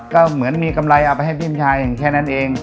ก็เหมือนมีกำไรเอาไปให้พี่ชายแค่นั้นเอง